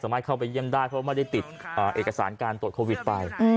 เข้าไปเยี่ยมได้เพราะไม่ได้ติดเอกสารการตรวจโควิดไป